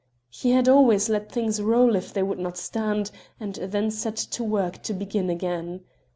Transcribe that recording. He had always let things roll if they would not stand, and then set to work to begin again.